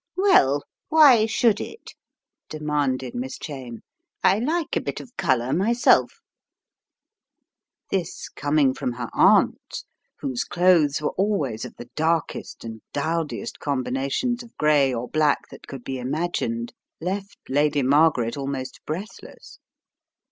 "Well, why should it?" demanded Miss Cheyne. "I like a bit of colour myself/' This coming from her aunt, whose clothes were always of the darkest and dowdiest combinations of gray or black that could be imagined, left Lady Margaret almost breathless.